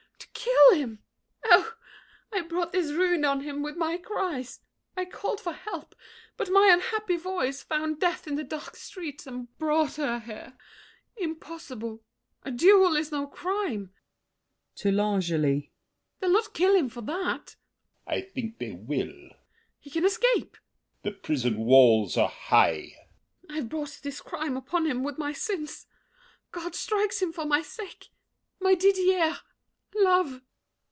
To kill him! Oh, I brought this ruin on him with my cries! I called for help, but my unhappy voice Found death in the dark streets and brought her here. Impossible! A duel is no crime! [To L'Angely. They'll not kill him for that? L'ANGELY. I think they will. MARION. He can escape! L'ANGELY. The prison walls are high! MARION. I've brought this crime upon him with my sins. God strikes him for my sake! My Didier! love!